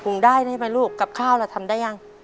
งได้ใช่ไหมลูกกับข้าวล่ะทำได้ยัง